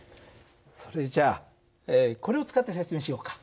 それじゃあこれを使って説明しようか。